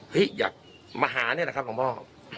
เห้ยอย่ามหาเนี่ยแหละครับคุณพ่อ